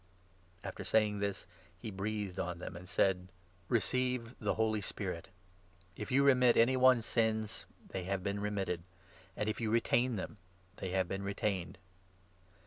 A ter saying this, he breathed on them, and said : 22 JOHN, 20 21. 207 " Receive the Holy Spirit; if you remit any one's sins, they 23 have been remitted ; and, if you retain them, they have been retained."